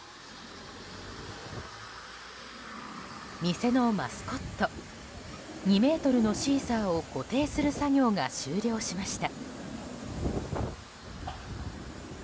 店のマスコット２ｍのシーサーを固定する作業が終了しました。